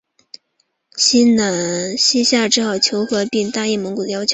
西夏只好求和并答应蒙古的要求。